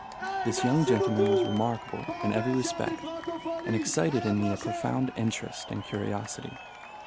This young gentleman was remarkable in every respect, and excited in me a profound interest and curiosity.